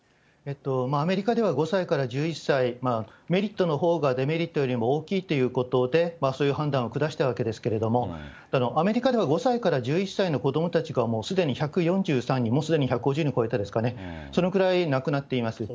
アメリカでは５歳から１１歳、メリットのほうがデメリットよりも大きいということで、そういう判断を下したわけですけれども、アメリカでは５歳から１１歳の子どもたちが、もうすでに１４３人、もうすでに１５０人超えていますかね、そのくらい亡くなっています。